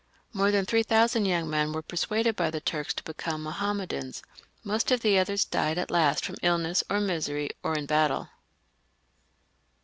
More than three thousand young men were persuaded by the Turks to become Mahommedans ; most of the others died at last from illness or misery, or in battle.